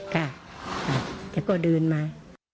ค่ะเขาก็เดินมา